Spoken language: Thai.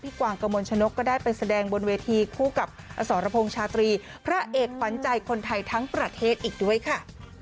กวางกระมวลชนกก็ได้ไปแสดงบนเวทีคู่กับอสรพงษ์ชาตรีพระเอกขวัญใจคนไทยทั้งประเทศอีกด้วยค่ะ